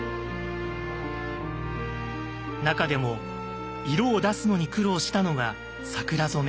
中でも色を出すのに苦労したのが「桜染め」。